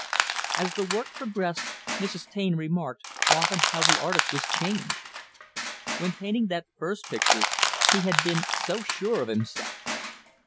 As the work progressed, Mrs. Taine remarked, often, how the artist was changed. When painting that first picture, he had been so sure of himself.